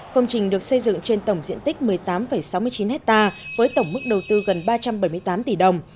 công trình được xây dựng trên tổng diện tích một mươi tám sáu mươi chín hectare với tổng mức đầu tư gần ba trăm bảy mươi tám tỷ đồng